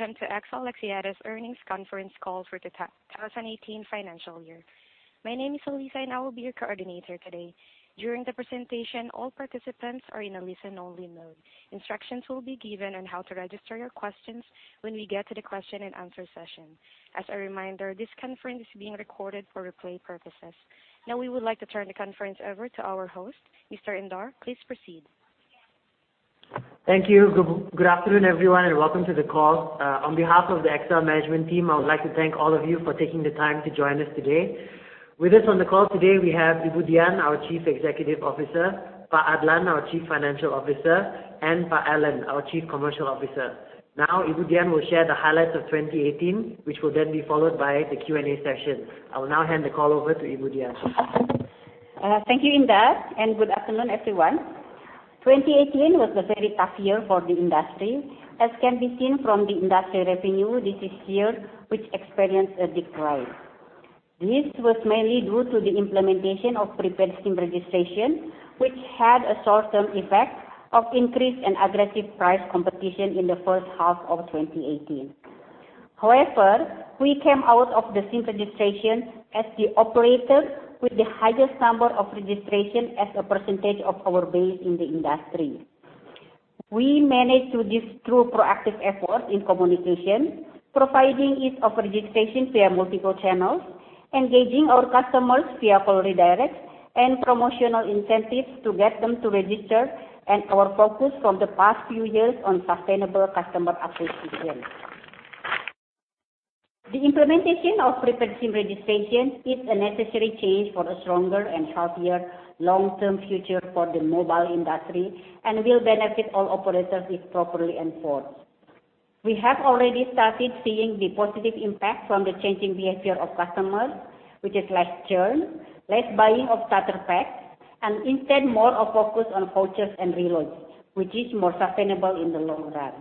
Welcome to XL Axiata's earnings conference call for 2018 financial year. My name is Elisa, and I will be your coordinator today. During the presentation, all participants are in a listen-only mode. Instructions will be given on how to register your questions when we get to the question and answer session. As a reminder, this conference is being recorded for replay purposes. Now we would like to turn the conference over to our host, Mr. Indar. Please proceed. Thank you. Good afternoon, everyone, and welcome to the call. On behalf of the XL management team, I would like to thank all of you for taking the time to join us today. With us on the call today, we have Ibu Dian, our Chief Executive Officer, Pak Adlan, our Chief Financial Officer, and Pak Alan, our Chief Commercial Officer. Ibu Dian will share the highlights of 2018, which will then be followed by the Q&A session. I will now hand the call over to Ibu Dian. Thank you, Indar. Good afternoon, everyone. 2018 was a very tough year for the industry, as can be seen from the industry revenue this year, which experienced a decline. This was mainly due to the implementation of prepaid SIM registration, which had a short-term effect of increased and aggressive price competition in the first half of 2018. However, we came out of the SIM registration as the operator with the highest number of registrations as a percentage of our base in the industry. We managed to do this through proactive efforts in communication, providing ease of registration via multiple channels, engaging our customers via call redirects, and promotional incentives to get them to register, and our focus from the past few years on sustainable customer acquisition. The implementation of prepaid SIM registration is a necessary change for a stronger and healthier long-term future for the mobile industry and will benefit all operators if properly enforced. We have already started seeing the positive impact from the changing behavior of customers, which is less churn, less buying of starter packs, and instead more of a focus on vouchers and reloads, which is more sustainable in the long run.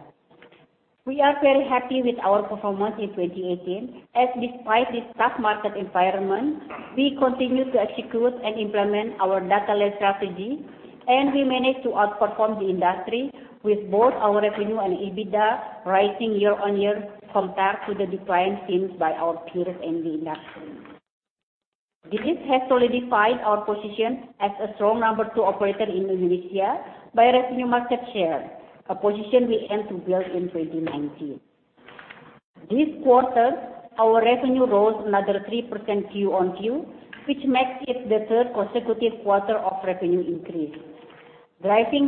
We are very happy with our performance in 2018, as despite this tough market environment, we continue to execute and implement our data-led strategy, and we managed to outperform the industry with both our revenue and EBITDA rising year-on-year compared to the decline seen by our peers in the industry. This has solidified our position as a strong number two operator in Indonesia by revenue market share, a position we aim to build in 2019. This quarter, our revenue rose another 3% quarter-on-quarter, which makes it the third consecutive quarter of revenue increase. Driving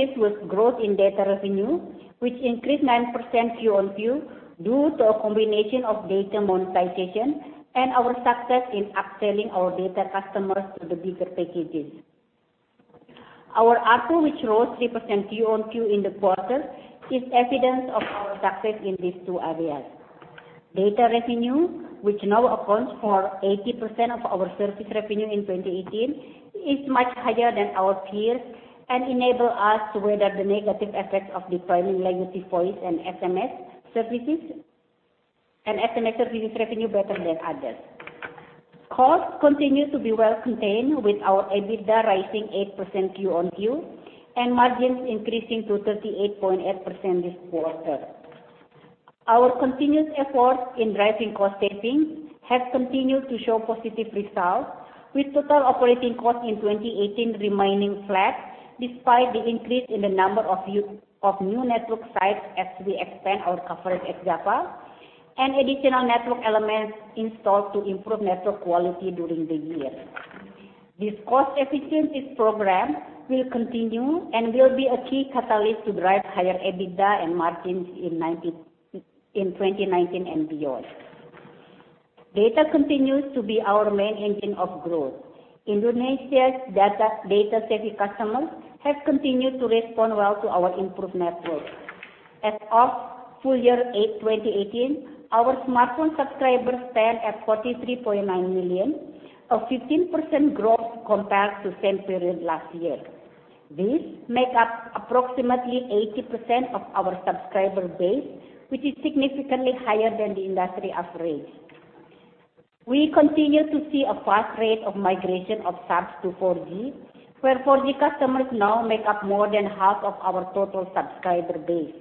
this was growth in data revenue, which increased 9% quarter-on-quarter due to a combination of data monetization and our success in upselling our data customers to the bigger packages. Our ARPU, which rose 3% quarter-on-quarter in the quarter, is evidence of our success in these two areas. Data revenue, which now accounts for 80% of our service revenue in 2018, is much higher than our peers and enables us to weather the negative effects of declining legacy voice and SMS services revenue better than others. Costs continue to be well contained, with our EBITDA rising 8% quarter-on-quarter and margins increasing to 38.8% this quarter. Our continuous efforts in driving cost savings have continued to show positive results, with total operating costs in 2018 remaining flat despite the increase in the number of new network sites as we expand our coverage ex-Java and additional network elements installed to improve network quality during the year. This cost efficiencies program will continue and will be a key catalyst to drive higher EBITDA and margins in 2019 and beyond. Data continues to be our main engine of growth. Indonesia's data-savvy customers have continued to respond well to our improved network. As of full year 8th 2018, our smartphone subscribers stand at 43.9 million, a 15% growth compared to the same period last year. These make up approximately 80% of our subscriber base, which is significantly higher than the industry average. We continue to see a fast rate of migration of subs to 4G, where 4G customers now make up more than half of our total subscriber base.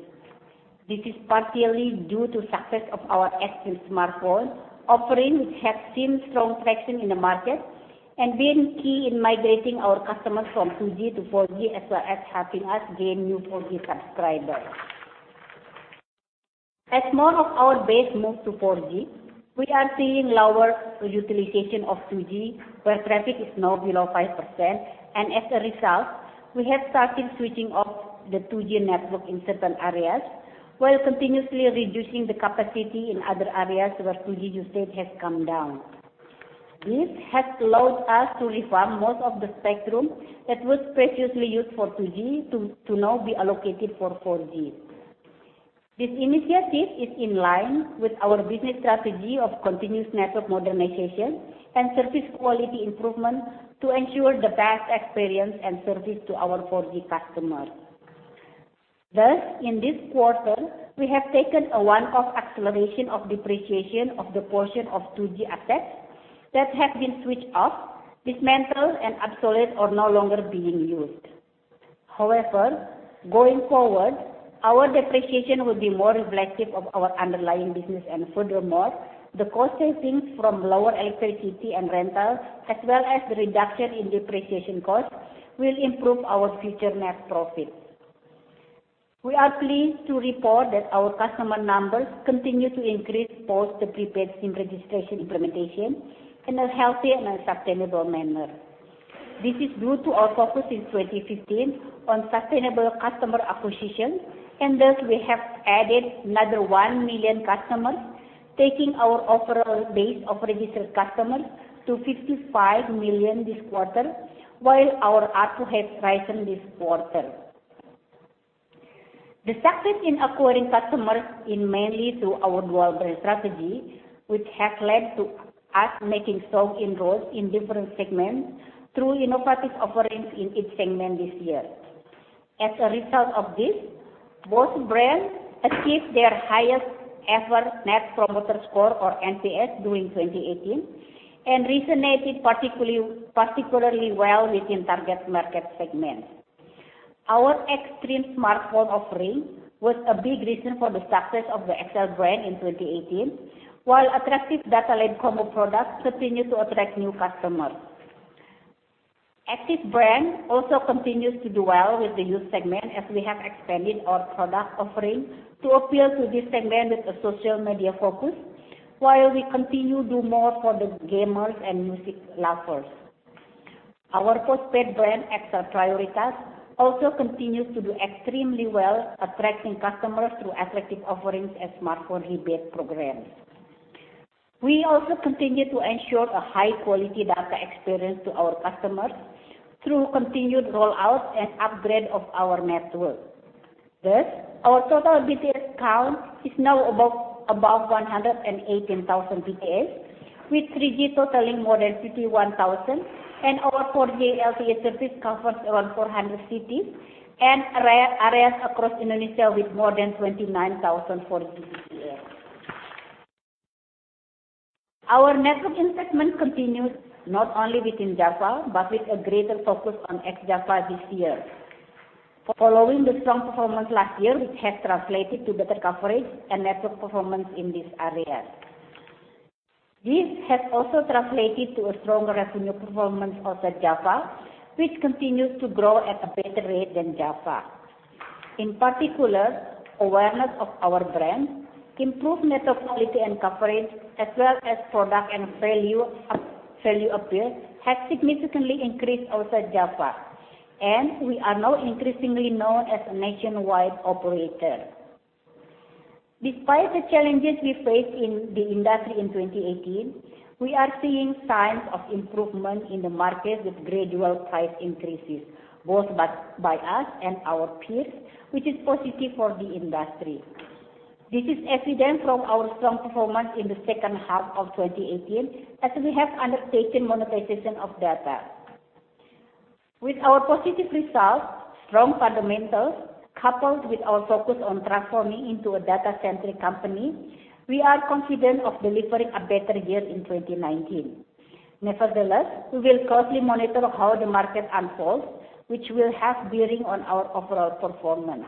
This is partially due to success of our Xtra Smartphone phone offering, which has seen strong traction in the market and been key in migrating our customers from 2G to 4G, as well as helping us gain new 4G subscribers. As more of our base moves to 4G, we are seeing lower utilization of 2G, where traffic is now below 5%, and as a result, we have started switching off the 2G network in certain areas while continuously reducing the capacity in other areas where 2G usage has come down. This has allowed us to reform most of the spectrum that was previously used for 2G to now be allocated for 4G. This initiative is in line with our business strategy of continuous network modernization and service quality improvement to ensure the best experience and service to our 4G customers. Thus, in this quarter, we have taken a one-off acceleration of depreciation of the portion of 2G assets that have been switched off, dismantled, and obsolete or no longer being used. However, going forward, our depreciation will be more reflective of our underlying business. Furthermore, the cost savings from lower electricity and rental, as well as the reduction in depreciation costs, will improve our future net profit. We are pleased to report that our customer numbers continue to increase post the prepaid SIM registration implementation in a healthy and sustainable manner. This is due to our focus in 2015 on sustainable customer acquisition, thus we have added another 1 million customers, taking our overall base of registered customers to 55 million this quarter, while our ARPU has risen this quarter. The success in acquiring customers is mainly through our dual-brand strategy, which has led to us making strong inroads in different segments through innovative offerings in each segment this year. As a result of this, both brands achieved their highest-ever Net Promoter Score, or NPS, during 2018 and resonated particularly well within target market segments. Our Xstream smartphone offering was a big reason for the success of the XL brand in 2018, while attractive data-led combo products continue to attract new customers. Axis brand also continues to do well with the youth segment, as we have expanded our product offering to appeal to this segment with a social media focus, while we continue do more for the gamers and music lovers. Our postpaid brand, XL Prioritas, also continues to do extremely well, attracting customers through attractive offerings and smartphone rebate programs. We also continue to ensure a high-quality data experience to our customers through continued rollout and upgrade of our network. Our total BTS count is now above 118,000 BTS, with 3G totaling more than 51,000, and our 4G LTE service covers around 400 cities and areas across Indonesia with more than 29,000 4G BTS. Our network investment continues not only within Java but with a greater focus on ex-Java this year. Following the strong performance last year, which has translated to better coverage and network performance in this area. This has also translated to a stronger revenue performance outside Java, which continues to grow at a better rate than Java. In particular, awareness of our brand, improved network quality and coverage, as well as product and value appeal, has significantly increased outside Java, and we are now increasingly known as a nationwide operator. Despite the challenges we faced in the industry in 2018, we are seeing signs of improvement in the market with gradual price increases, both by us and our peers, which is positive for the industry. This is evident from our strong performance in the second half of 2018 as we have undertaken monetization of data. With our positive results, strong fundamentals, coupled with our focus on transforming into a data-centric company, we are confident of delivering a better year in 2019. We will closely monitor how the market unfolds, which will have a bearing on our overall performance.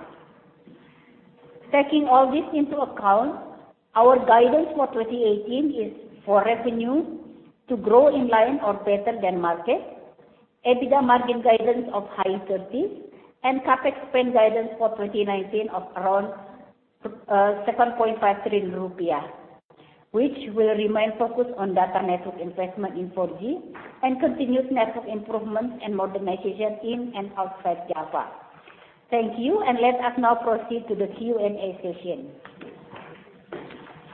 Taking all this into account, our guidance for 2018 is for revenue to grow in line or better than market, EBITDA margin guidance of high 30s, and CapEx spend guidance for 2019 of around 7.5 trillion rupiah, which will remain focused on data network investment in 4G and continued network improvements and modernization in and outside Java. Thank you, let us now proceed to the Q&A session.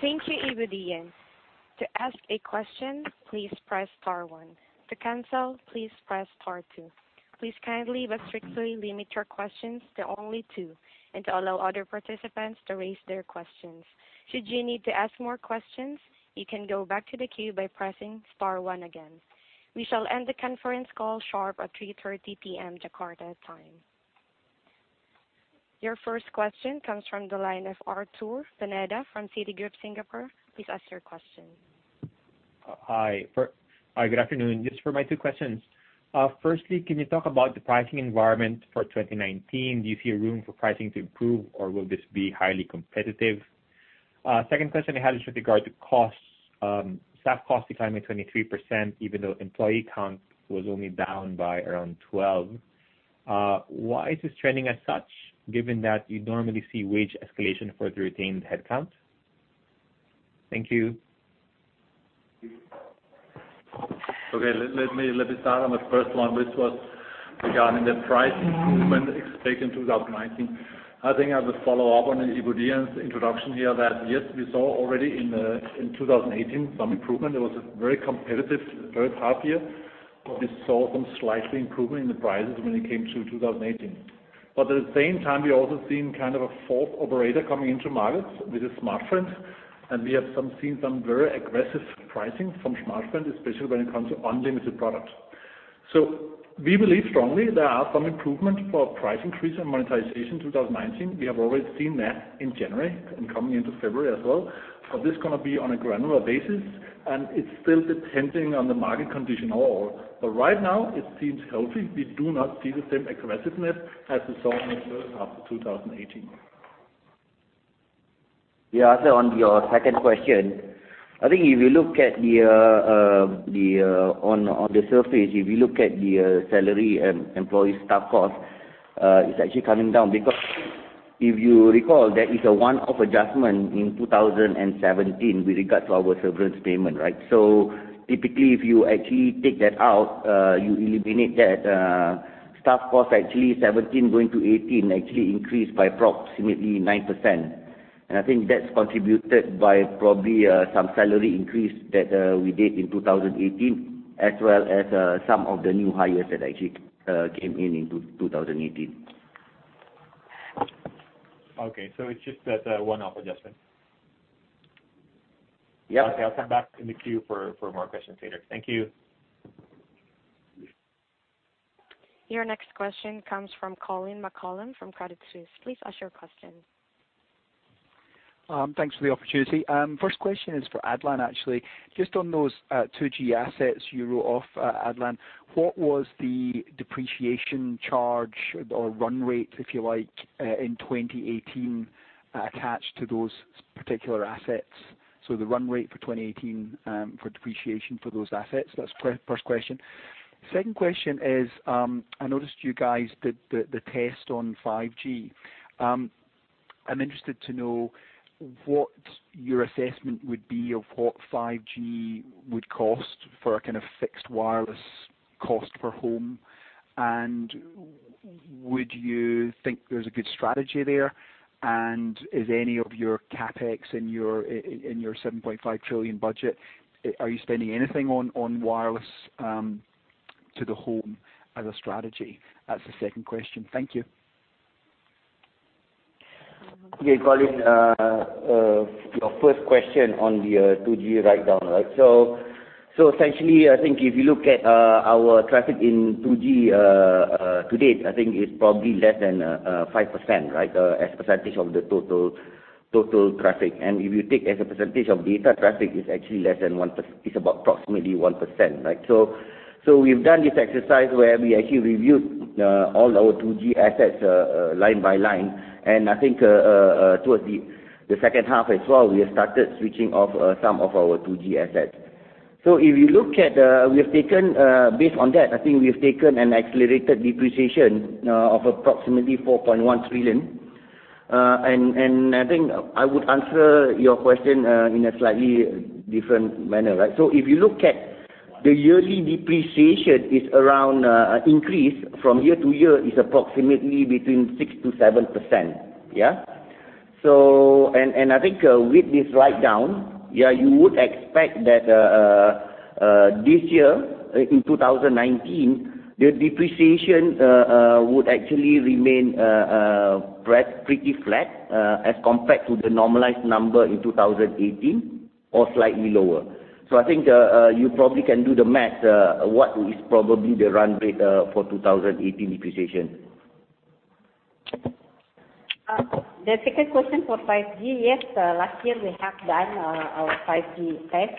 Thank you, Ibu Dian. To ask a question, please press star one. To cancel, please press star two. Please kindly but strictly limit your questions to only two and to allow other participants to raise their questions. Should you need to ask more questions, you can go back to the queue by pressing star one again. We shall end the conference call sharp at 3:30 P.M. Jakarta time. Your first question comes from the line of Arthur Pineda from Citigroup Singapore. Please ask your question. Hi. Good afternoon. Just for my two questions. Firstly, can you talk about the pricing environment for 2019? Do you see room for pricing to improve, or will this be highly competitive? Second question I had is with regard to costs. Staff costs declined by 23%, even though employee count was only down by around 12%. Why is this trending as such, given that you normally see wage escalation for the retained headcount? Thank you. Okay. Let me start on the first one, which was regarding the price improvement expected in 2019. I think I will follow up on Ibu Dian's introduction here that, yes, we saw already in 2018 some improvement. It was a very competitive third half year, we saw some slight improvement in the prices when it came to 2018. At the same time, we're also seeing kind of a fourth operator coming into markets, which is Smartfren, and we have seen some very aggressive pricing from Smartfren, especially when it comes to unlimited products. We believe strongly there are some improvement for price increase and monetization 2019. We have already seen that in January and coming into February as well, this is going to be on a granular basis, and it's still depending on the market condition overall. Right now it seems healthy. We do not see the same aggressiveness as we saw in the first half of 2018. On your second question, I think if you look on the surface, if you look at the salary and employee staff cost, it's actually coming down because if you recall, there is a one-off adjustment in 2017 with regard to our severance payment, right? Typically, if you actually take that out, you eliminate that, staff cost actually 2017 going to 2018 actually increased by approximately 9%. I think that's contributed by probably some salary increase that we did in 2018, as well as some of the new hires that actually came in in 2018. Okay, it's just that one-off adjustment. Yep. Okay. I'll come back in the queue for more questions later. Thank you. Your next question comes from Colin McColl from Credit Suisse. Please ask your question. Thanks for the opportunity. First question is for Adlan, actually. Just on those 2G assets you wrote off, Adlan, what was the depreciation charge or run rate, if you like, in 2018, attached to those particular assets? The run rate for 2018, for depreciation for those assets. That's first question. Second question is, I noticed you guys did the test on 5G. I'm interested to know what your assessment would be of what 5G would cost for a kind of fixed wireless cost per home, and would you think there's a good strategy there? Is any of your CapEx in your 7.5 trillion budget, are you spending anything on wireless to the home as a strategy? That's the second question. Thank you. Okay. Colin, your first question on the 2G write down. Essentially, I think if you look at our traffic in 2G to date, I think it's probably less than 5%, right, as a percentage of the total traffic. If you take as a percentage of data traffic, it's about approximately 1%, right? We've done this exercise where we actually reviewed all our 2G assets line by line, and I think towards the second half as well, we have started switching off some of our 2G assets. Based on that, I think we have taken an accelerated depreciation of approximately 4.1 trillion. I think I would answer your question in a slightly different manner, right? If you look at the yearly depreciation increase from year to year is approximately between 6%-7%. Yeah? I think with this write down, you would expect that this year, in 2019, the depreciation would actually remain pretty flat as compared to the normalized number in 2018 or slightly lower. I think you probably can do the math, what is probably the run rate for 2018 depreciation. The second question for 5G. Yes. Last year we have done our 5G test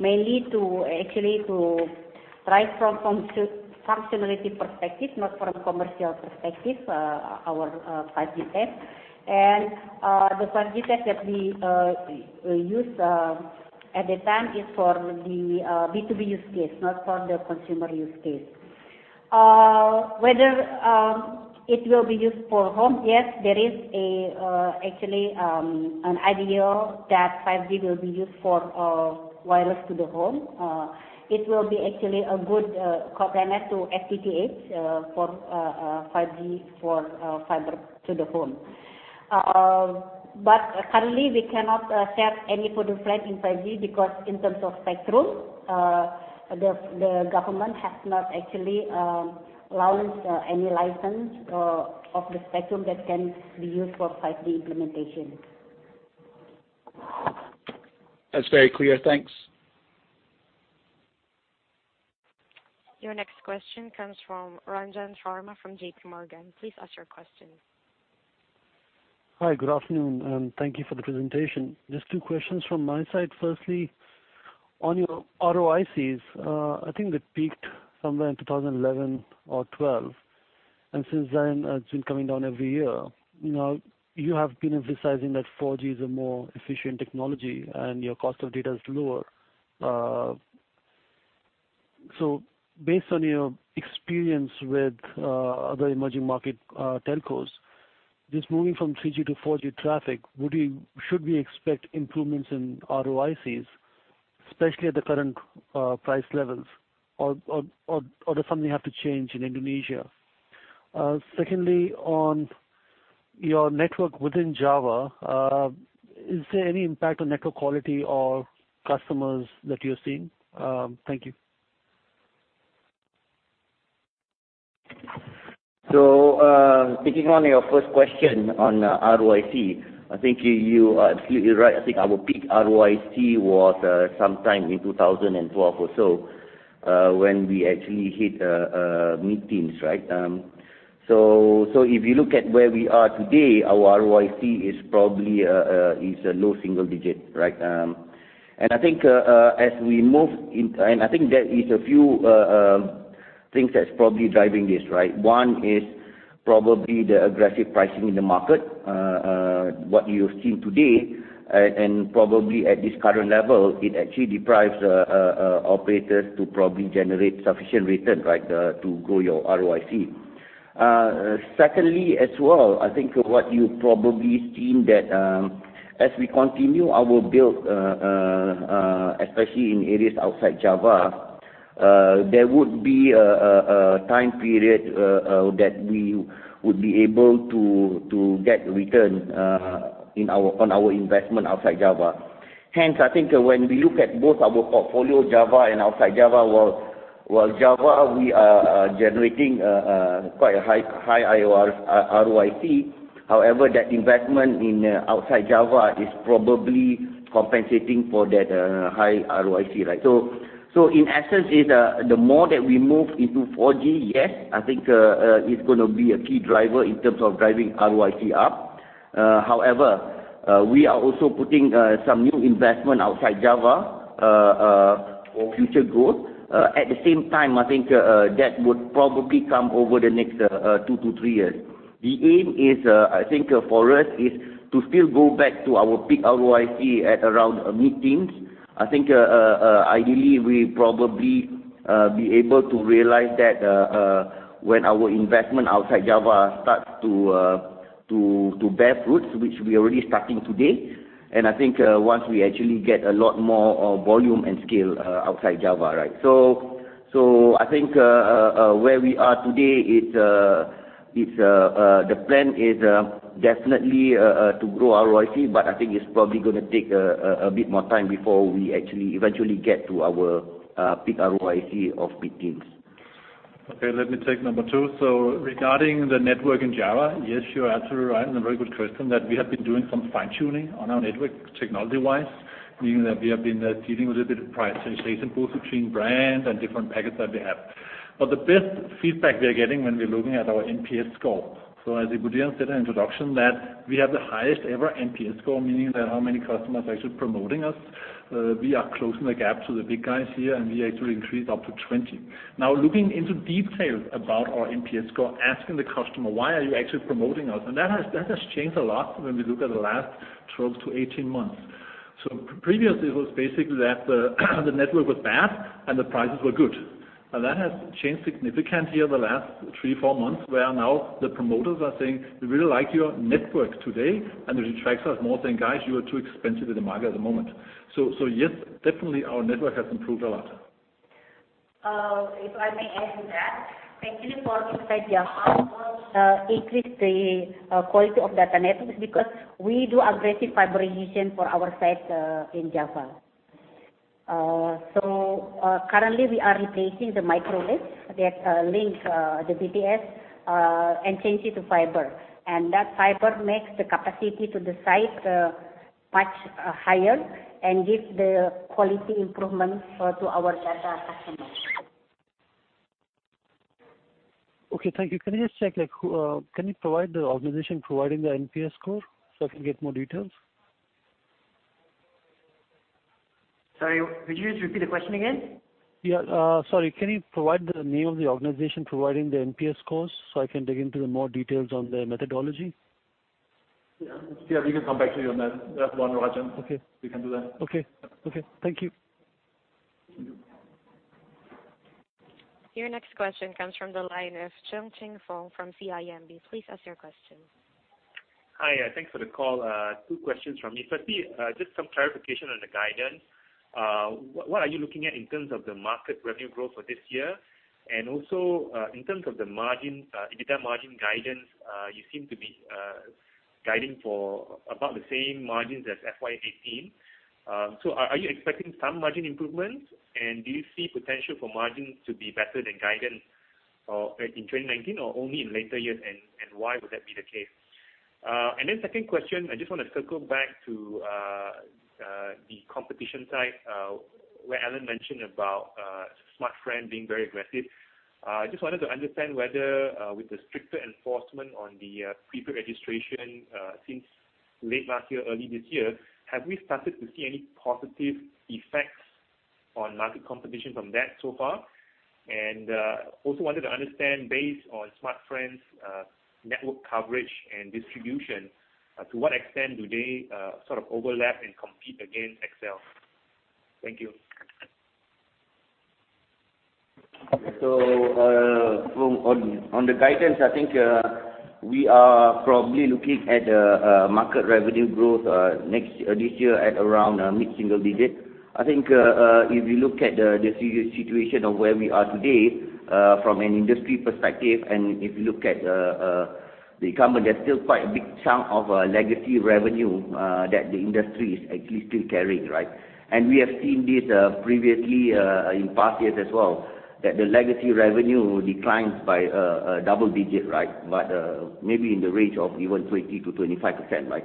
mainly actually to try from functionality perspective, not from commercial perspective, our 5G test. The 5G test that we used at that time is for the B2B use case, not for the consumer use case. Whether it will be used for home, yes, there is actually an idea that 5G will be used for wireless to the home. It will be actually a good complement to FTTH for 5G for fiber to the home. Currently, we cannot set any further plan in 5G because in terms of spectrum, the government has not actually launched any license of the spectrum that can be used for 5G implementation. That's very clear. Thanks. Your next question comes from Ranjan Sharma from JP Morgan. Please ask your question. Hi, good afternoon, and thank you for the presentation. Just two questions from my side. Firstly, on your ROICs, I think it peaked somewhere in 2011 or 2012, and since then it's been coming down every year. You have been emphasizing that 4G is a more efficient technology, and your cost of data is lower. Based on your experience with other emerging market telcos, this moving from 3G to 4G traffic, should we expect improvements in ROICs, especially at the current price levels? Does something have to change in Indonesia? Secondly, on your network within Java, is there any impact on network quality or customers that you're seeing? Thank you. Taking on your first question on ROIC, I think you are absolutely right. I think our peak ROIC was sometime in 2012 or so, when we actually hit mid-teens. If you look at where we are today, our ROIC is probably low single digit. I think there is a few things that's probably driving this. One is probably the aggressive pricing in the market, what you've seen today. Probably at this current level, it actually deprives operators to probably generate sufficient return to grow your ROIC. Secondly, as well, I think what you probably seen that as we continue our build, especially in areas outside Java, there would be a time period that we would be able to get return on our investment outside Java. I think when we look at both our portfolio, Java and outside Java, while Java, we are generating quite a high ROIC. However, that investment in outside Java is probably compensating for that high ROIC. In essence, the more that we move into 4G, yes, I think it's going to be a key driver in terms of driving ROIC up. However, we are also putting some new investment outside Java, for future growth. At the same time, I think that would probably come over the next 2 to 3 years. The aim is, I think for us, is to still go back to our peak ROIC at around mid-teens. I think, ideally, we'll probably be able to realize that when our investment outside Java starts to bear fruits, which we are already starting today, and I think once we actually get a lot more volume and scale outside Java. I think, where we are today, the plan is definitely to grow ROIC, but I think it's probably going to take a bit more time before we actually eventually get to our peak ROIC of mid-teens. Okay, let me take number 2. Regarding the network in Java, yes, you are absolutely right, and a very good question, that we have been doing some fine-tuning on our network technology-wise, meaning that we have been dealing with a bit of prioritization both between brands and different packets that we have. The best feedback we are getting when we're looking at our NPS score, as Dian said in introduction, that we have the highest ever NPS score, meaning that how many customers are actually promoting us. We are closing the gap to the big guys here, and we actually increased up to 20. Looking into details about our NPS score, asking the customer, "Why are you actually promoting us?" That has changed a lot when we look at the last 12 to 18 months. Previously, it was basically that the network was bad, and the prices were good. That has changed significantly in the last three, four months, where now the promoters are saying, "We really like your network today," and which attracts us more than, "Guys, you are too expensive in the market at the moment." Yes, definitely our network has improved a lot. If I may add to that, actually for inside Java, increase the quality of data networks because we do aggressive fiberization for our site in Java. Currently we are replacing the microwave that link the BTS and change it to fiber. That fiber makes the capacity to the site much higher and gives the quality improvements to our data customers. Okay. Thank you. Can you just check, can you provide the organization providing the NPS score so I can get more details? Sorry, could you just repeat the question again? Yeah. Sorry. Can you provide the name of the organization providing the NPS scores so I can dig into the more details on the methodology? Yeah. We can come back to you on that one, Ranjan. Okay. We can do that. Okay. Thank you. Thank you. Your next question comes from the line of Chong Cheng Fong from CIMB. Please ask your question. Hi. Thanks for the call. Two questions from me. Firstly, just some clarification on the guidance. What are you looking at in terms of the market revenue growth for this year? Also, in terms of the EBITDA margin guidance, you seem to be guiding for about the same margins as FY 2018. Are you expecting some margin improvements, and do you see potential for margins to be better than guidance in 2019 or only in later years? Why would that be the case? Second question, I just want to circle back to the competition side, where Alan mentioned about Smartfren being very aggressive. I just wanted to understand whether, with the stricter enforcement on the prepaid registration since late last year, early this year, have we started to see any positive effects on market competition from that so far? Also wanted to understand, based on Smartfren's network coverage and distribution, to what extent do they overlap and compete against XL? Thank you. Chong, on the guidance, I think we are probably looking at market revenue growth this year at around mid-single digits. I think if you look at the situation of where we are today, from an industry perspective and if you look at the incumbent, there is still quite a big chunk of legacy revenue that the industry is actually still carrying. We have seen this previously in past years as well, that the legacy revenue declines by double-digit. Maybe in the range of even 20%-25%.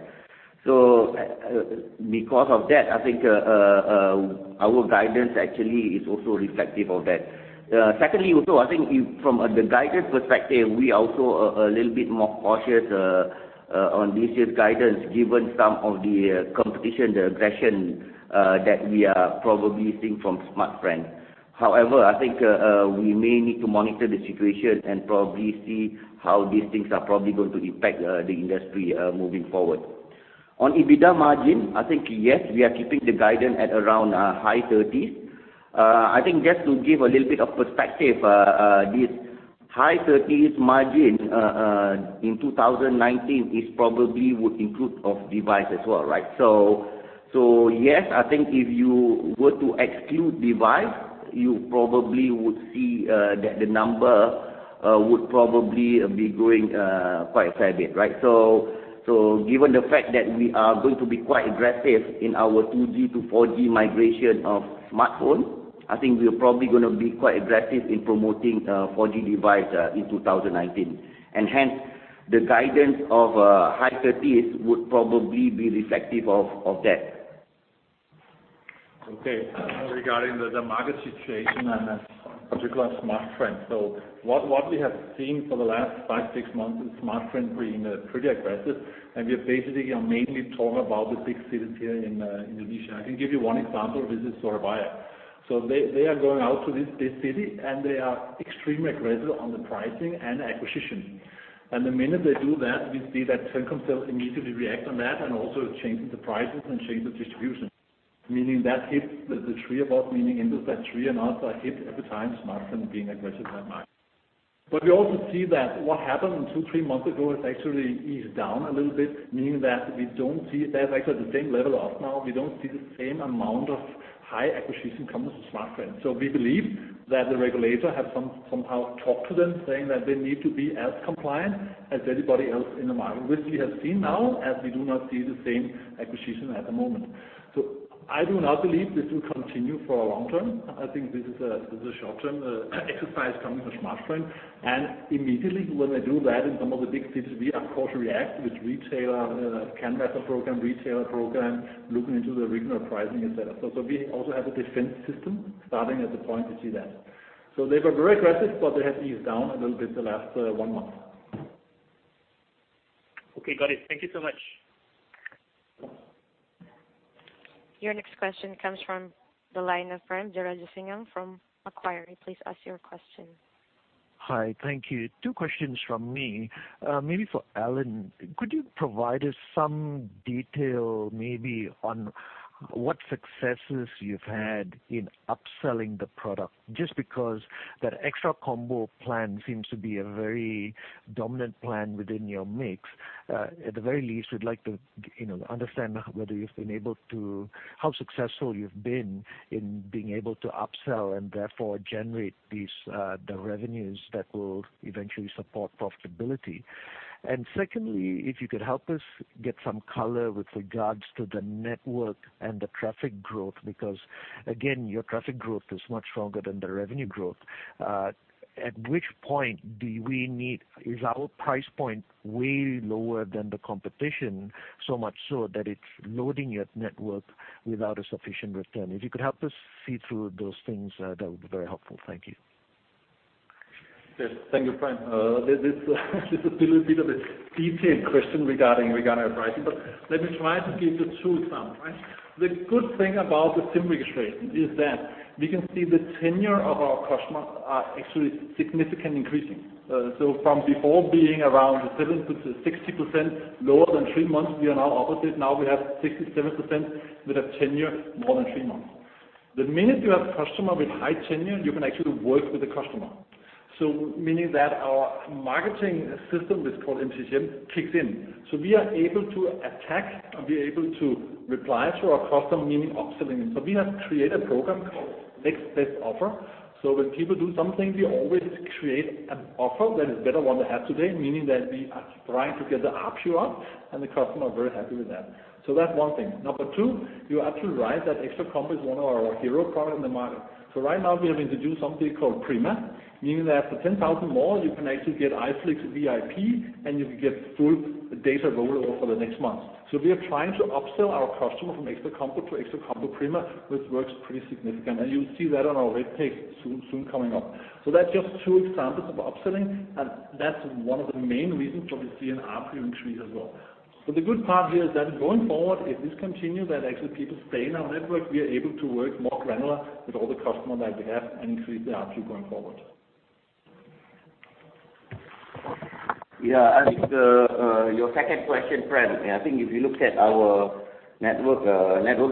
Because of that, I think our guidance actually is also reflective of that. Secondly, also, I think from the guidance perspective, we also are a little bit more cautious on this year's guidance, given some of the competition, the aggression that we are probably seeing from Smartfren. I think we may need to monitor the situation and probably see how these things are probably going to impact the industry moving forward. EBITDA margin, yes, we are keeping the guidance at around high 30s. I think just to give a little bit of perspective, this high 30s margin in 2019 is probably would include device as well. Yes, I think if you were to exclude device, you probably would see that the number would probably be growing quite a fair bit. Given the fact that we are going to be quite aggressive in our 2G to 4G migration of smartphone, I think we're probably going to be quite aggressive in promoting 4G device in 2019. Hence, the guidance of high 30s would probably be reflective of that. Okay. Regarding the market situation and in particular Smartfren. What we have seen for the last five, six months is Smartfren being pretty aggressive, and we are basically mainly talking about the big cities here in Indonesia. I can give you one example, this is Surabaya. They are going out to this big city, and they are extremely aggressive on the pricing and acquisition. The minute they do that, we see that Telkomsel immediately react on that and also changes the prices and change the distribution. Meaning that hits the three of us, meaning Indosat, Tri, and also hit at the time Smartfren being aggressive in the market. We also see that what happened two, three months ago has actually eased down a little bit, meaning that we don't see that effect at the same level off now. We don't see the same amount of high acquisition coming from Smartfren. We believe that the regulator have somehow talked to them, saying that they need to be as compliant as anybody else in the market, which we have seen now, as we do not see the same acquisition at the moment. I do not believe this will continue for a long term. I think this is a short-term exercise coming from Smartfren. Immediately when they do that in some of the big cities, we of course react with retailer, canvas program, retailer program, looking into the regional pricing, et cetera. We also have a defense system starting at the point we see that. They were very aggressive, but they have eased down a little bit the last one month. Okay, got it. Thank you so much. Your next question comes from the line of Frank Jurajasingam from Macquarie. Please ask your question. Hi. Thank you. Two questions from me. Maybe for Allan. Could you provide us some detail maybe on what successes you've had in upselling the product? Just because that Xtra Combo plan seems to be a very dominant plan within your mix. At the very least, we'd like to understand how successful you've been in being able to upsell and therefore generate the revenues that will eventually support profitability. Secondly, if you could help us get some color with regards to the network and the traffic growth, because again, your traffic growth is much stronger than the revenue growth. At which point is our price point way lower than the competition, so much so that it's loading your network without a sufficient return? If you could help us see through those things, that would be very helpful. Thank you. Yes. Thank you, Frank. This is a little bit of a detailed question regarding our pricing, but let me try to give you two examples. The good thing about the SIM registration is that we can see the tenure of our customers are actually significantly increasing. From before being around 7% to 60% lower than three months, we are now opposite. Now we have 67% with a tenure more than three months. The minute you have customer with high tenure, you can actually work with the customer. Meaning that our marketing system, which is called mCRM, kicks in. We are able to attack and be able to reply to our customer, meaning upselling them. We have created a program called next best offer. When people do something, we always create an offer that is better one they have today, meaning that we are trying to get the ARPU up, and the customer are very happy with that. That's one thing. Number two, you are absolutely right, that Xtra Combo is one of our hero product in the market. Right now we have introduced something called Prima, meaning that for 10,000 more, you can actually get iflix VIP, and you can get full data rollover for the next month. We are trying to upsell our customer from Xtra Combo to Xtra Combo Prima, which works pretty significant. You'll see that on our rate take soon coming up. That's just two examples of upselling, and that's one of the main reasons why we see an ARPU increase as well. The good part here is that going forward, if this continues, that actually people stay in our network, we are able to work more granular with all the customer that we have and increase the ARPU going forward. I think your second question, Frank, I think if you look at our network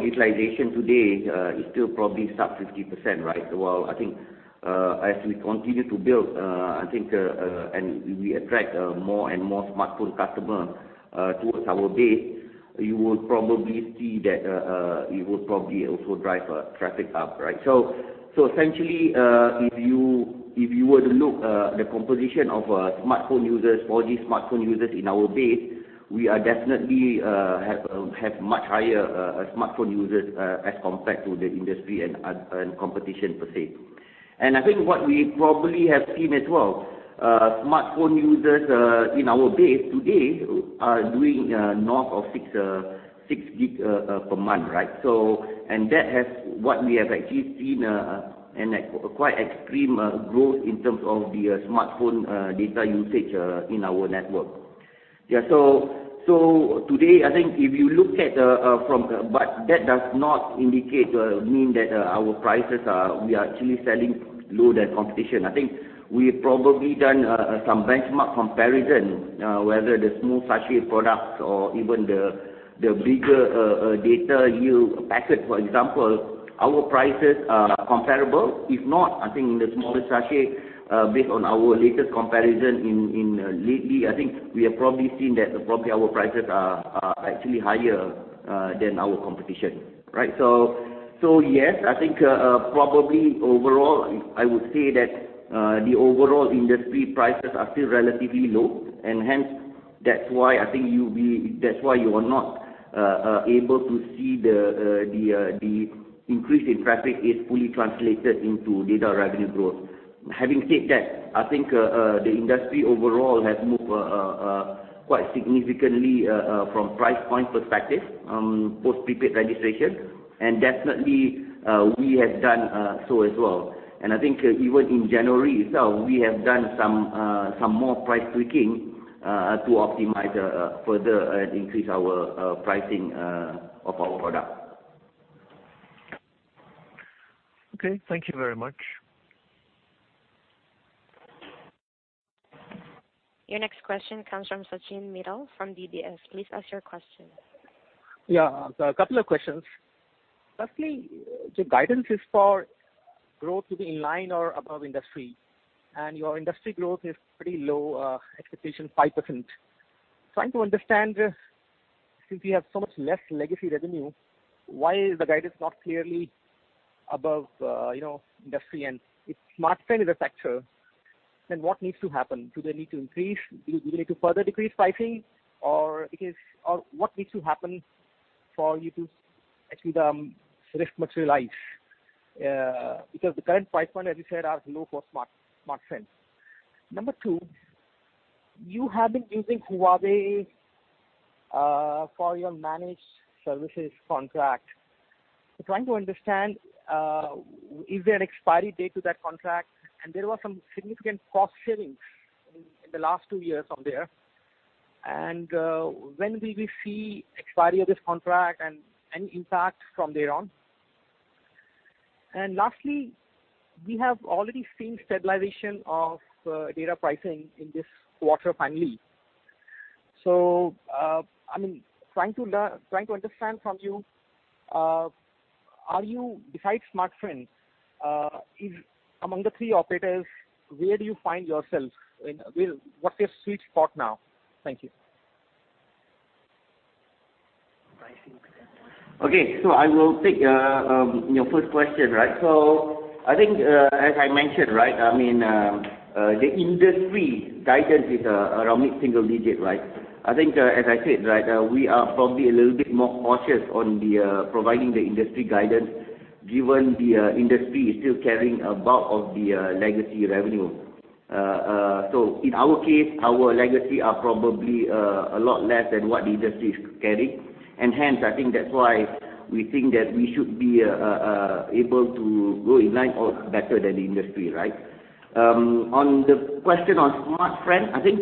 utilization today is still probably sub 50%. While I think as we continue to build, I think, and we attract more and more smartphone customer towards our base. You will probably see that it will probably also drive traffic up. Essentially, if you were to look the composition of 4G smartphone users in our base, we are definitely have much higher smartphone users as compared to the industry and competition per se. I think what we probably have seen as well, smartphone users in our base today are doing north of 6 gig per month. That has what we have actually seen a quite extreme growth in terms of the smartphone data usage in our network. That does not indicate or mean that our prices are we are actually selling lower than competition. I think we've probably done some benchmark comparison, whether the small sachet products or even the bigger data yield package, for example, our prices are comparable. If not, I think in the smaller sachet, based on our latest comparison lately, I think we have probably seen that probably our prices are actually higher than our competition. Yes, I think probably overall, I would say that the overall industry prices are still relatively low, and hence, that's why you are not able to see the increase in traffic is fully translated into data revenue growth. Having said that, I think the industry overall has moved quite significantly from price point perspective, post prepaid registration and definitely we have done so as well. I think even in January itself, we have done some more price tweaking to optimize further and increase our pricing of our product. Okay. Thank you very much. Your next question comes from Sachin Mittal from DBS. Please ask your question. A couple of questions. Firstly, the guidance is for growth to be in line or above industry, your industry growth is pretty low expectation 5%. Trying to understand, since you have so much less legacy revenue, why is the guidance not clearly above industry? If Smartfren is a factor, then what needs to happen? Do they need to increase? Do you need to further decrease pricing? What needs to happen for you to actually then risk materialize? Because the current price point, as you said, are low for Smartfren. Number two, you have been using Huawei for your managed services contract. Trying to understand, is there an expiry date to that contract? There were some significant cost savings in the last two years from there. When will we see expiry of this contract and any impact from there on? Lastly, we have already seen stabilization of data pricing in this quarter finally. Trying to understand from you, besides Smartfren, among the three operators, where do you find yourself? What's your sweet spot now? Thank you. Pricing. Okay. I will take your first question. I think, as I mentioned, the industry guidance is around mid-single digit. I think, as I said, we are probably a little bit more cautious on providing the industry guidance, given the industry is still carrying a bulk of the legacy revenue. In our case, our legacy are probably a lot less than what the industry is carrying. Hence, I think that's why we think that we should be able to grow in line or better than the industry. On the question on Smartfren, I think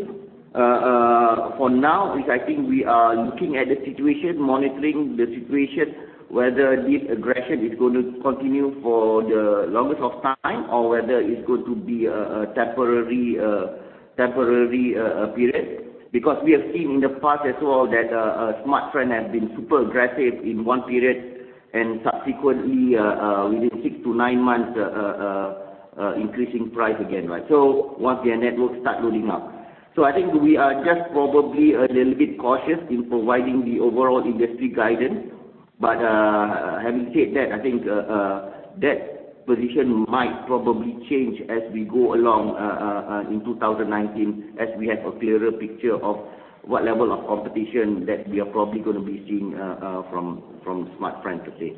for now is I think we are looking at the situation, monitoring the situation, whether this aggression is going to continue for the longest of time or whether it's going to be a temporary period. We have seen in the past as well that Smartfren has been super aggressive in one period and subsequently within six to nine months increasing price again, once their network start loading up. I think we are just probably a little bit cautious in providing the overall industry guidance. Having said that, I think that position might probably change as we go along in 2019 as we have a clearer picture of what level of competition that we are probably going to be seeing from Smartfren to say.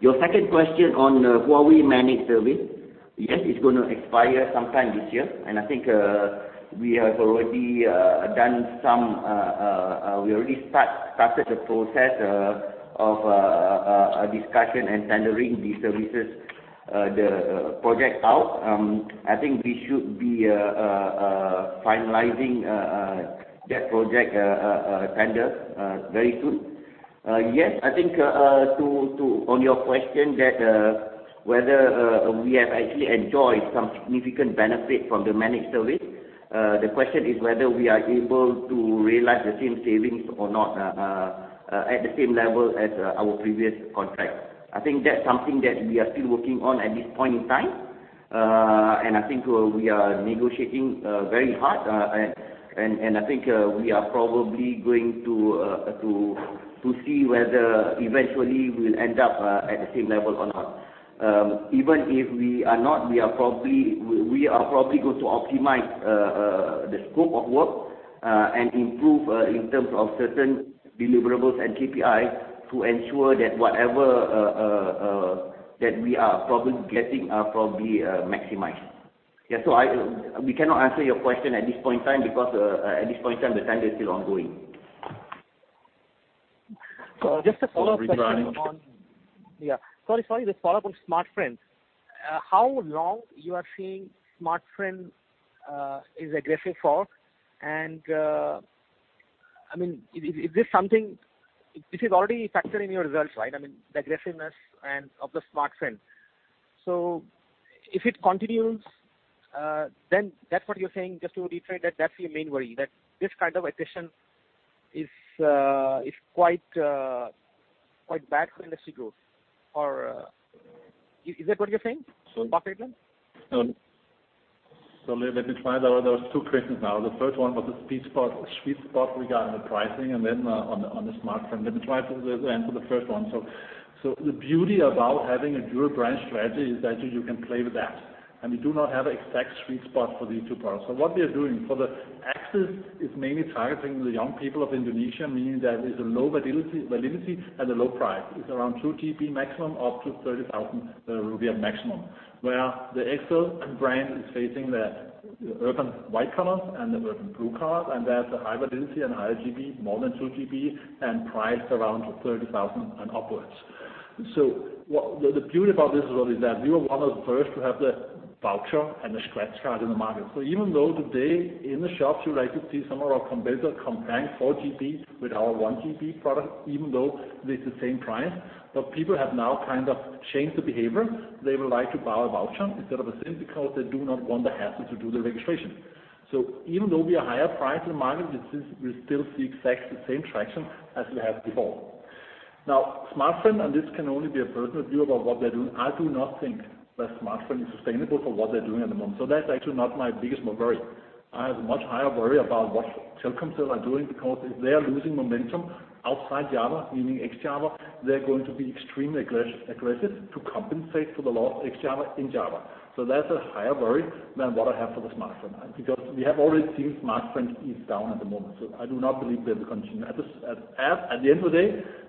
Your second question on Huawei managed service. Yes, it's going to expire sometime this year, and I think we have already started the process of discussion and tendering the services, the project out. I think we should be finalizing that project tender very soon. Yes, I think on your question that whether we have actually enjoyed some significant benefit from the managed service, the question is whether we are able to realize the same savings or not at the same level as our previous contract. I think that's something that we are still working on at this point in time. I think we are negotiating very hard, and I think we are probably going to see whether eventually we'll end up at the same level or not. Even if we are not, we are probably going to optimize the scope of work, and improve in terms of certain deliverables and KPI to ensure that whatever that we are probably getting are probably maximized. We cannot answer your question at this point in time because at this point in time, the tender is still ongoing. Just a follow-up question on Smartfren. How long you are seeing Smartfren is aggressive for? Is this something, this is already factored in your results, right? I mean, the aggressiveness of the Smartfren. If it continues, then that's what you're saying, just to reframe that's your main worry, that this kind of attrition is quite bad for industry growth. Or is that what you're saying? Smartfren? Let me try. There were two questions now. The first one was the sweet spot regarding the pricing and then on the Smartfren. Let me try to answer the first one. The beauty about having a dual brand strategy is that you can play with that, and we do not have exact sweet spot for these two products. What we are doing for the Axis is mainly targeting the young people of Indonesia, meaning that there's a low validity and a low price. It is around 2 GB maximum, up to 30,000 rupiah maximum, where the XL brand is facing the urban white collars and the urban blue collar, and that's a high validity and higher GB, more than 2 GB and priced around 30,000 and upwards. What the beauty about this is really that we were one of the first to have the voucher and the scratch card in the market. Even though today in the shops, you likely see some of our competitor comparing 4 GB with our 1 GB product, even though that's the same price, but people have now kind of changed the behavior. They would like to buy a voucher instead of a SIM because they do not want the hassle to do the registration. Even though we are higher priced in the market, we still see exact same traction as we have before. Smartfren, and this can only be a personal view about what they're doing. I do not think that Smartfren is sustainable for what they're doing at the moment. That's actually not my biggest worry. I have a much higher worry about what Telkomsel are doing because if they are losing momentum outside Java, meaning ex-Java, they're going to be extremely aggressive to compensate for the loss ex-Java in Java. That's a higher worry than what I have for the Smartfren because we have already seen Smartfren ease down at the moment. I do not believe they will continue at this. At the end of the day,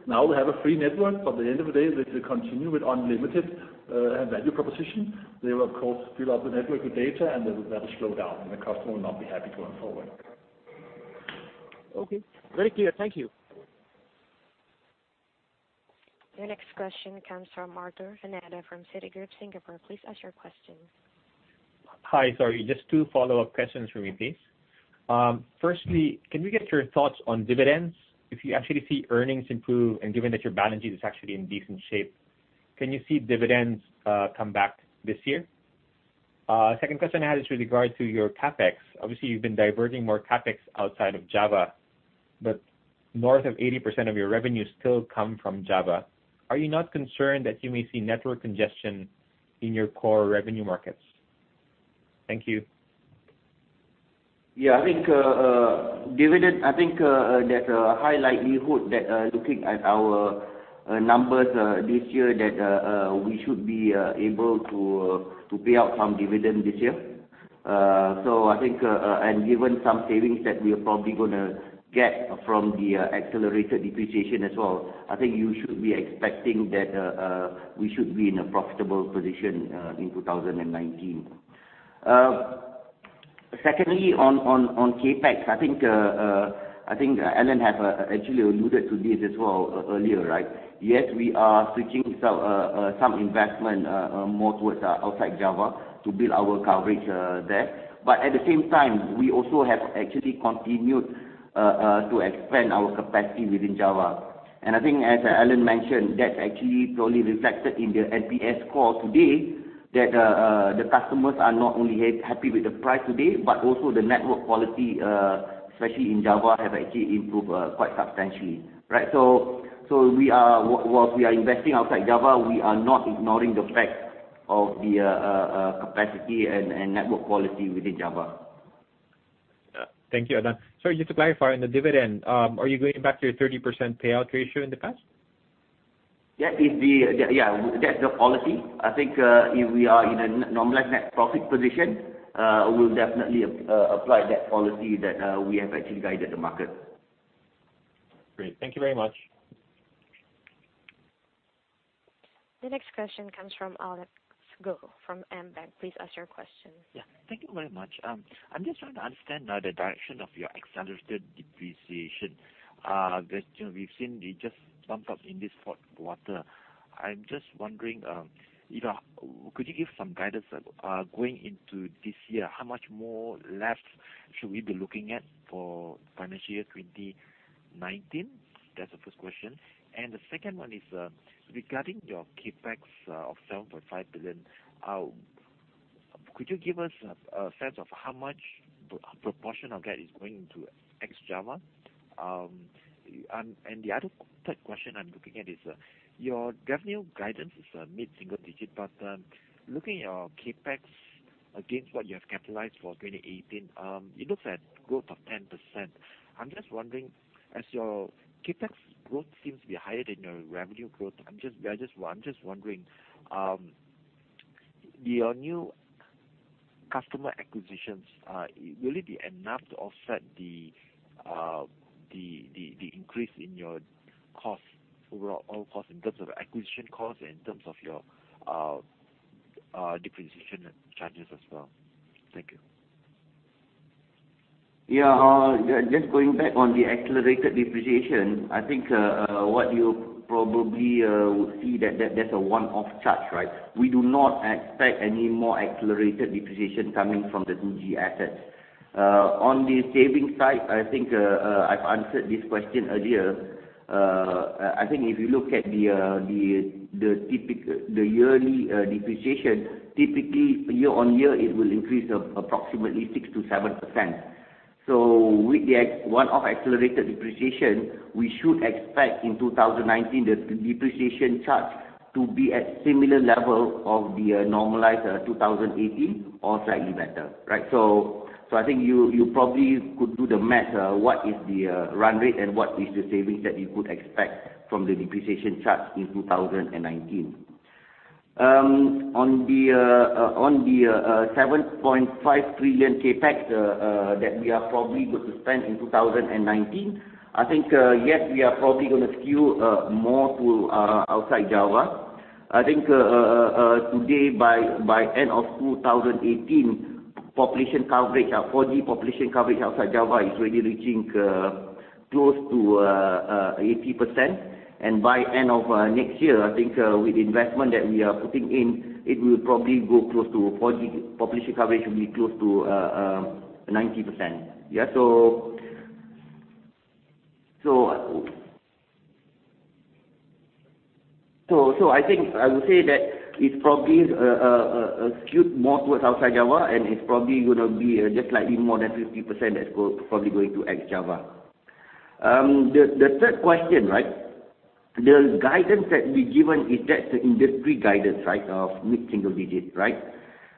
now they have a free network, but at the end of the day, they will continue with unlimited value proposition. They will, of course, fill up the network with data, and that will slow down and the customer will not be happy going forward. Okay. Very clear. Thank you. Your next question comes from Arthur Pineda from Citigroup Singapore. Please ask your question. Hi. Sorry, just two follow-up questions from me, please. Firstly, can we get your thoughts on dividends? If you actually see earnings improve and given that your balance sheet is actually in decent shape, can you see dividends come back this year? Second question I had is with regard to your CapEx. Obviously, you've been diverting more CapEx outside of Java, but north of 80% of your revenue still come from Java. Are you not concerned that you may see network congestion in your core revenue markets? Thank you. Yeah, I think dividend, I think there's a high likelihood that looking at our numbers this year, that we should be able to pay out some dividend this year. I think, and given some savings that we are probably going to get from the accelerated depreciation as well, I think you should be expecting that we should be in a profitable position in 2019. Secondly, on CapEx, I think Allan have actually alluded to this as well earlier, right? Yes, we are switching some investment more towards outside Java to build our coverage there. At the same time, we also have actually continued to expand our capacity within Java. I think as Allan mentioned, that's actually thoroughly reflected in the NPS score today that the customers are not only happy with the price today, but also the network quality, especially in Java, have actually improved quite substantially. Right? Whilst we are investing outside Java, we are not ignoring the fact of the capacity and network quality within Java. Thank you, Adlan. Sorry, just to clarify on the dividend, are you going back to your 30% payout ratio in the past? Yeah. That's the policy. I think if we are in a normalized net profit position, we'll definitely apply that policy that we have actually guided the market. Great. Thank you very much. The next question comes from Alex Go from AmBank. Please ask your question. Yeah. Thank you very much. I'm just trying to understand now the direction of your accelerated depreciation. We've seen you just bumped up in this fourth quarter. I'm just wondering, could you give some guidance going into this year? How much more left should we be looking at for financial year 2019? That's the first question. The second one is, regarding your CapEx of 7.5 billion, could you give us a sense of how much proportion of that is going into ex-Java? The other third question I'm looking at is your revenue guidance is mid-single digit, but looking at your CapEx against what you have capitalized for 2018, it looks at growth of 10%. I'm just wondering, as your CapEx growth seems to be higher than your revenue growth, I'm just wondering, your new customer acquisitions, will it be enough to offset the increase in your overall cost in terms of acquisition costs, in terms of your depreciation charges as well? Thank you. Yeah. Just going back on the accelerated depreciation, I think what you probably would see that that's a one-off charge, right? We do not expect any more accelerated depreciation coming from the 2G assets. On the saving side, I think I've answered this question earlier. I think if you look at the yearly depreciation, typically year-over-year, it will increase approximately 6%-7%. With the one-off accelerated depreciation, we should expect in 2019, the depreciation charge to be at similar level of the normalized 2018 or slightly better. I think you probably could do the math. What is the run rate and what is the savings that you could expect from the depreciation charge in 2019? On the 7.5 trillion CapEx that we are probably going to spend in 2019, I think, yes, we are probably going to skew more to outside Java. I think today, by end of 2018, 4G population coverage outside Java is already reaching close to 80%. By end of next year, I think with the investment that we are putting in, 4G population coverage will be close to 90%. I think I would say that it's probably skewed more towards outside Java, and it's probably going to be just slightly more than 50% that's probably going to ex-Java. The third question. The guidance that we've given, that's the industry guidance of mid-single digit.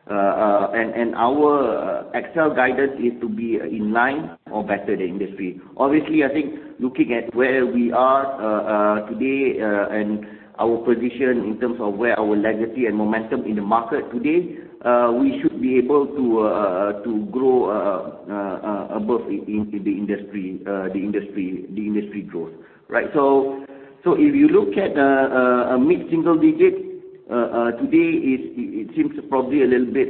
Our XL guidance is to be in line or better the industry. Obviously, I think looking at where we are today and our position in terms of where our legacy and momentum in the market today, we should be able to grow above the industry growth. If you look at mid-single digit, today it seems probably a little bit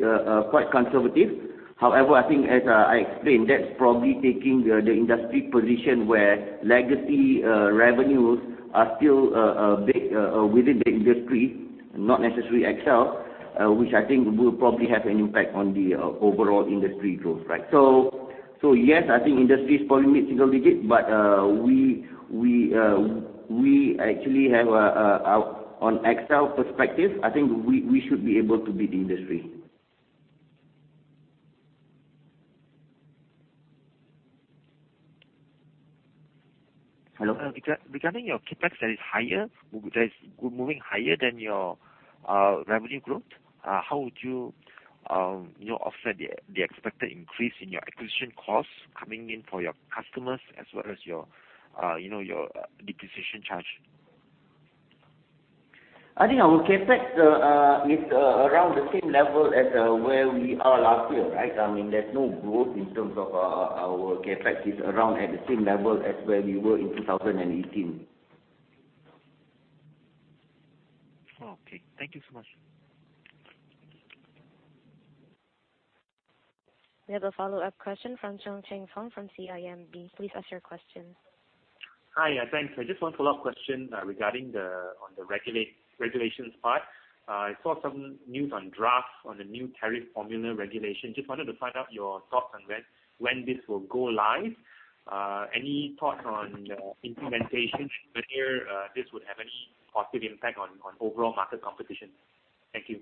quite conservative. However, I think as I explained, that's probably taking the industry position where legacy revenues are still big within the industry, not necessarily XL, which I think will probably have an impact on the overall industry growth. Yes, I think industry is probably mid-single digit, but on XL perspective, I think we should be able to beat the industry. Hello. Hello. Regarding your CapEx that is moving higher than your revenue growth, how would you offset the expected increase in your acquisition costs coming in for your customers, as well as your depreciation charge? I think our CapEx is around the same level as where we are last year, right? There's no growth in terms of our CapEx. It's around at the same level as where we were in 2018. Okay. Thank you so much. We have a follow-up question from Chong Cheng Fong from CIMB. Please ask your question. Hi. Thanks. I just one follow-up question regarding on the regulations part. I saw some news on drafts on the new tariff formula regulation. Just wanted to find out your thoughts on when this will go live. Any thoughts on implementation here? This would have any positive impact on overall market competition. Thank you.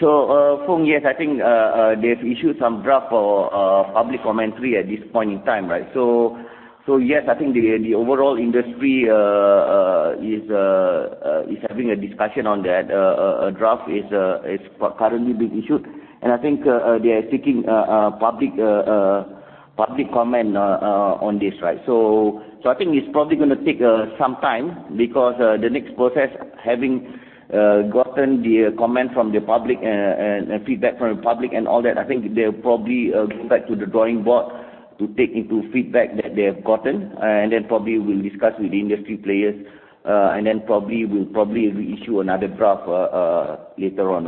Fong, yes, I think they've issued some draft for public commentary at this point in time. Yes, I think the overall industry is having a discussion on that. A draft is currently being issued, and I think they are seeking public comment on this. I think it's probably going to take some time because the next process, having gotten the comment from the public and feedback from the public and all that, I think they'll probably go back to the drawing board to take into feedback that they have gotten, then probably will discuss with the industry players, then probably will reissue another draft later on.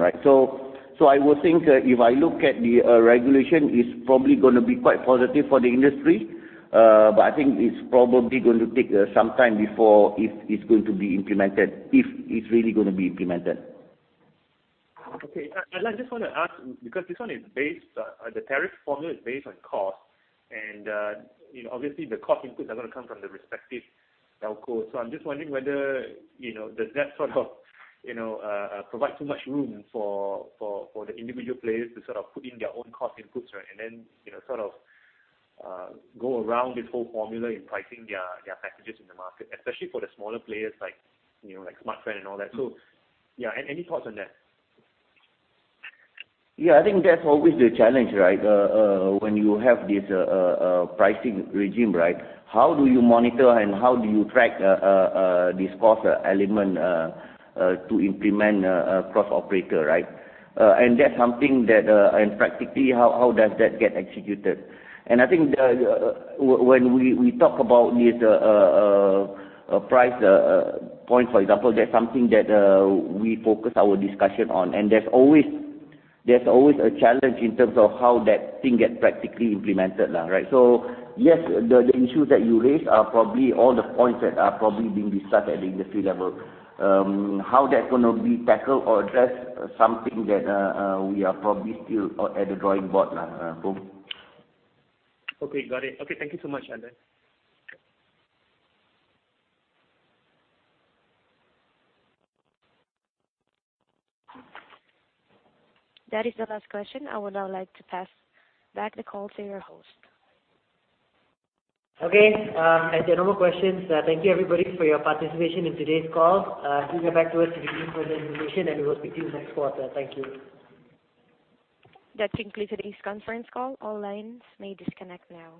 I would think if I look at the regulation, it's probably going to be quite positive for the industry. I think it's probably going to take some time before it's going to be implemented, if it's really going to be implemented. Okay. I just want to ask because the tariff formula is based on cost, and obviously the cost inputs are going to come from the respective telcos. I'm just wondering whether does that provide too much room for the individual players to put in their own cost inputs, and then go around this whole formula in pricing their packages in the market, especially for the smaller players like Smartfren and all that. Any thoughts on that? Yeah, I think that's always the challenge when you have this pricing regime. How do you monitor and how do you track this cost element to implement cross-operator? Practically, how does that get executed? I think when we talk about this price point, for example, that's something that we focus our discussion on, and there's always a challenge in terms of how that thing gets practically implemented. Yes, the issues that you raised are probably all the points that are probably being discussed at the industry level. How that's going to be tackled or addressed, something that we are probably still at the drawing board now, Fong. Okay, got it. Okay, thank you so much, Alan. That is the last question. I would now like to pass back the call to your host. Okay. As there are no more questions, thank you everybody for your participation in today's call. Please get back to us if you need further information, and we will speak to you next quarter. Thank you. That concludes today's conference call. All lines may disconnect now.